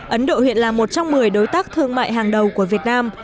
ấn độ hiện là một trong một mươi đối tác thương mại hàng đầu của việt nam